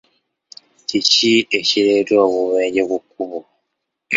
Kiki ekireeta obubenje ku kkubo ?